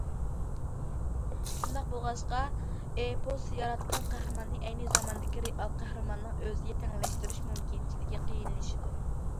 شۇنداق بولغاچقا، ئېپوس ياراتقان قەھرىماننى ئەينى زاماندىكى رېئال قەھرىماننىڭ ئۆزىگە تەڭلەشتۈرۈش مۇمكىنچىلىكى قىيىنلىشىدۇ.